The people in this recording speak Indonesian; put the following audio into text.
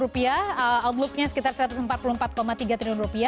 outlooknya sekitar rp satu ratus empat puluh empat tiga triliun